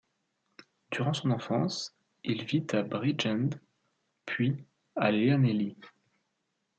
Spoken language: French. Durant son enfance, il vit à Bridgend puis à Llanelli.